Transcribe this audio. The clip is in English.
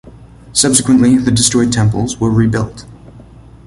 Subsequently, the destroyed temples were rebuilt.